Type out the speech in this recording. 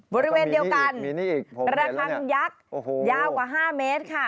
บริเวณเดียวกันระคังยักษ์ยาวกว่า๕เมตรค่ะ